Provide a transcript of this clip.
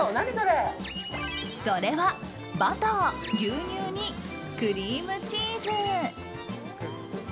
それは、バター、牛乳にクリームチーズ。